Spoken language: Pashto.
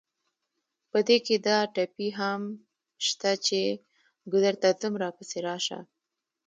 په دې کې دا ټپې هم شته چې: ګودر ته ځم راپسې راشه.